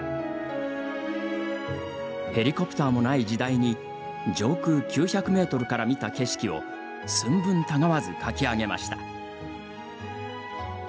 ヘリコプターもない時代に、上空９００メートルから見た景色を寸分たがわず描き上げました。